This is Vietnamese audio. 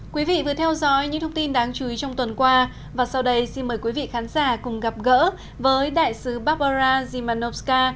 quý vị vừa theo dõi những thông tin đáng chú ý trong tuần qua và sau đây xin mời quý vị khán giả cùng gặp gỡ với đại sứ barbarazimanowska